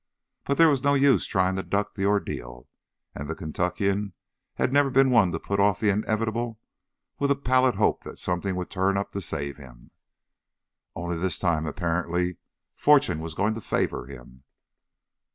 But there was no use trying to duck the ordeal, and the Kentuckian had never been one to put off the inevitable with a pallid hope that something would turn up to save him. Only this time, apparently, fortune was going to favor him.